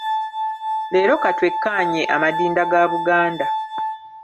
Leero ka twekkaanye amadinda ga Buganda.